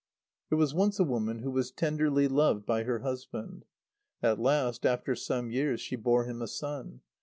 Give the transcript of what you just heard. _ There was once a woman who was tenderly loved by her husband. At last, after some years, she bore him a son.